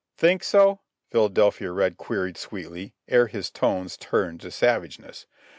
"Think so?" Philadelphia Red queried sweetly, ere his tones turned to savageness.